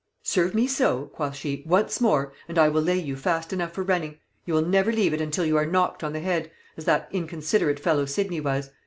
'Serve me so,' quoth she, 'once more, and I will lay you fast enough for running; you will never leave it until you are knocked on the head, as that inconsiderate fellow Sidney was.